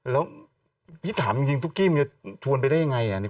แล้วพี่ถามจริงตุ๊กกี้มันจะชวนไปได้ยังไง